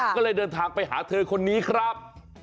ก็เลยเดินทางไปหาเธอคนนี้ครับ